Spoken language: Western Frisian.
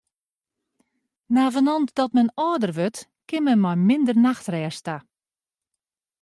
Navenant dat men âlder wurdt, kin men mei minder nachtrêst ta.